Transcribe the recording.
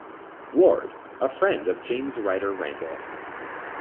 Ward, a friend of James Ryder Randall.